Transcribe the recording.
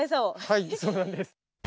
はいそうなんです。